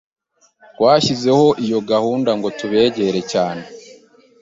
Twashyizeho iyo gahunda ngo tubegere cyane,